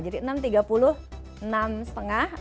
jadi enam tiga puluh enam setengah